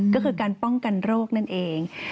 ก็คือการป้องกันโรคนั่นเอง